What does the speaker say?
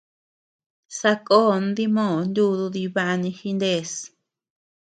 Sakón dimoo nudu dibani jinés.